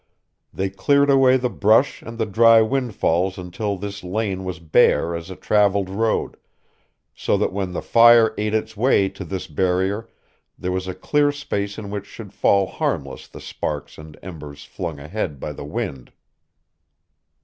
They cleared away the brush and the dry windfalls until this lane was bare as a traveled road so that when the fire ate its way to this barrier there was a clear space in which should fall harmless the sparks and embers flung ahead by the wind.